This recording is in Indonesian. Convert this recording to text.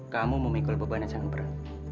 kamu memikul pebana jangan pernah